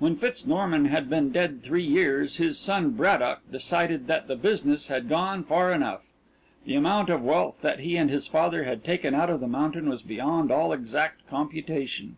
When Fitz Norman had been dead three years his son, Braddock, decided that the business had gone far enough. The amount of wealth that he and his father had taken out of the mountain was beyond all exact computation.